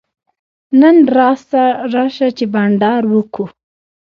نن راسه چي بانډار وکو.